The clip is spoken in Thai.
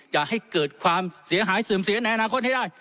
อย่าให้เกิดความเสียหายเสื่อมเสียในอนาคตให้ได้